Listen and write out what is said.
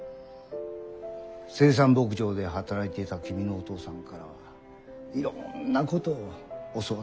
生産牧場で働いていた君のお父さんからはいろんなことを教わった。